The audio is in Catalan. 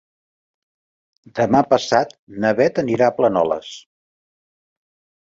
Demà passat na Bet anirà a Planoles.